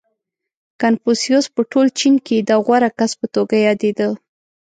• کنفوسیوس په ټول چین کې د غوره کس په توګه یادېده.